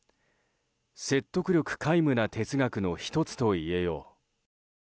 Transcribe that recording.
説得力皆無な哲学の１つといえよう。